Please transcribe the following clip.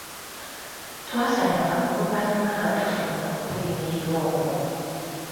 Twasanyuka oluvannyuma nga tufunye okweyimirirwa okwo.